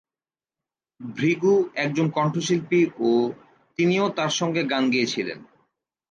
ভৃগু একজন কন্ঠশিল্পী ও তিনিও তার সঙ্গে গান গেয়েছিলেন।